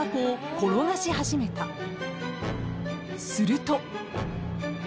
［すると］